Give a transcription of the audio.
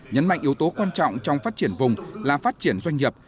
nhấn mạnh yếu tố quan trọng trong phát triển vùng là phát triển doanh nghiệp